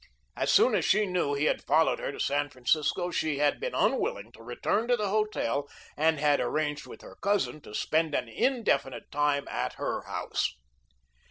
As soon as she knew he had followed her to San Francisco she had been unwilling to return to the hotel and had arranged with her cousin to spend an indefinite time at her house.